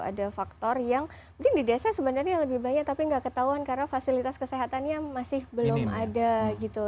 ada faktor yang mungkin di desa sebenarnya lebih banyak tapi nggak ketahuan karena fasilitas kesehatannya masih belum ada gitu